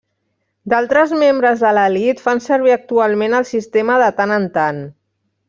D’altres membres de l’elit fan servir actualment el sistema de tant en tant.